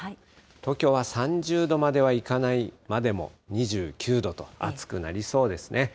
東京は３０度まではいかないまでも、２９度と暑くなりそうですね。